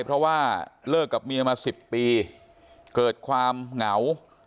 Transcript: เพราะว่าเลิกกับเมียมา๑๐ปีเกิดความเหงา